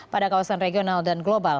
pada kawasan regional dan global